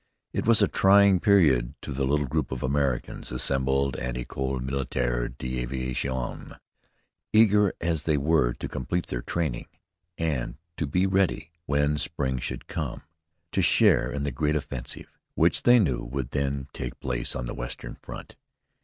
It was a trying period to the little group of Americans assembled at the École Militaire d'Aviation, eager as they were to complete their training, and to be ready, when spring should come, to share in the great offensive, which they knew would then take place on the Western front.